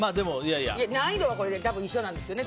難易度は多分一緒なんですよね。